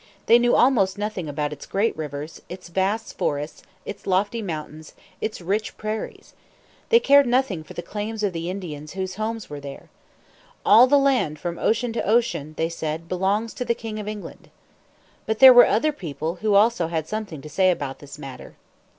They knew almost nothing about its great rivers, its vasts forests, its lofty mountains, its rich prairies. They cared nothing for the claims of the Indians whose homes were there. "All the land from ocean to ocean," they said, "belongs to the King of England." But there were other people who also had something to say about this matter.